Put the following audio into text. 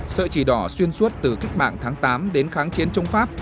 sợi chỉ đỏ xuyên suốt từ cách mạng tháng tám đến kháng chiến chống pháp